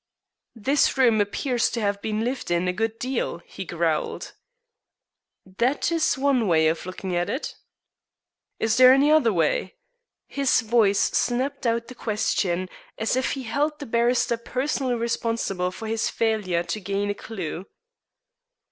"This room appears to have been lived in a good deal," he growled. "That is one way of looking at it." "Is there any other way?" His voice snapped out the question as if he held the barrister personally responsible for his failure to gain a clue.